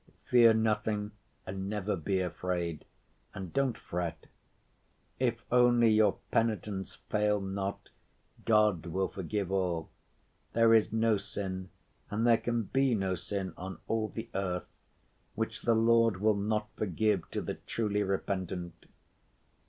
"Fear nothing and never be afraid; and don't fret. If only your penitence fail not, God will forgive all. There is no sin, and there can be no sin on all the earth, which the Lord will not forgive to the truly repentant!